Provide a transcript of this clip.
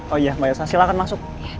oh iya mbak yasa silahkan masuk